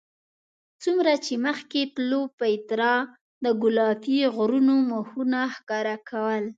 څومره چې مخکې تلو پیترا د ګلابي غرونو مخونه ښکاره کول.